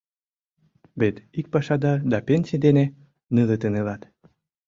Вет ик пашадар да пенсий дене нылытын илат.